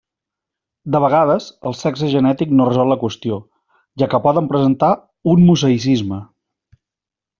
De vegades, el sexe genètic no resol la qüestió, ja que poden presentar un mosaïcisme.